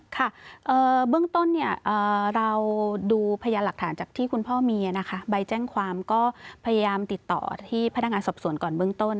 ค่ะเบื้องต้นเนี่ยเราดูพยานหลักฐานจากที่คุณพ่อมีนะคะใบแจ้งความก็พยายามติดต่อที่พนักงานสอบสวนก่อนเบื้องต้น